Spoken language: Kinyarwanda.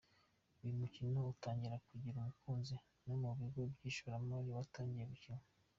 Uyu mukino utangiye kugira abakunzi no mu bigo by' amashuri watangiye gukinwa.